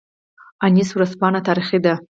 انیس ورځپاڼه تاریخي ده